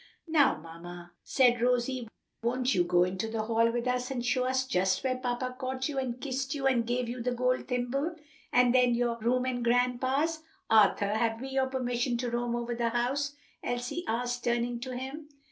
"Now, mamma," said Rosie, "won't you go into the hall with us and show us just where papa caught you, and kissed you, and gave you the gold thimble? And then your room and grandpa's?" "Arthur, have we your permission to roam over the house?" Elsie asked, turning to him.